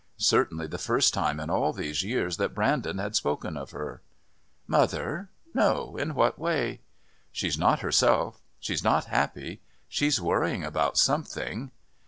Certainly the first time in all these years that Brandon had spoken of her. "Mother? No; in what way?" "She's not herself. She's not happy. She's worrying about something."